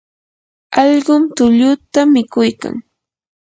allqum tulluta mikuykan.